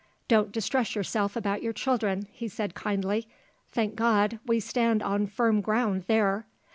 "Don't distress yourself about your children," he said kindly. "Thank God, we stand on firm ground, there."